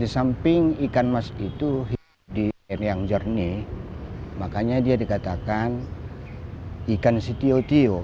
samping ikan mas itu hidup di air yang jernih makanya dia dikatakan ikan sitio tio